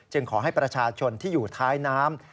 ขอให้ประชาชนที่อยู่ท้ายน้ำ